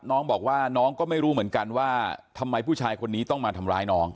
น้องบอกว่าน้องก็ไม่รู้เหมือนกันว่าทำไมผู้ชายคนนี้ต้องมาทำร้ายน้อง